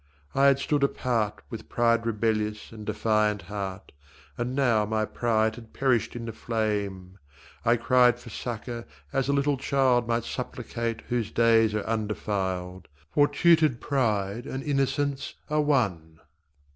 I had stood apart With pride rebellious and defiant heart, And now my pride had perished in the flame. I cried for succour as a little child Might supplicate whose days are undefiled For tutored pride and innocence are one.